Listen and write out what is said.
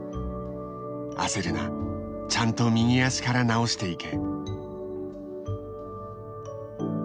「あせるなちゃんと右足から直していけ」。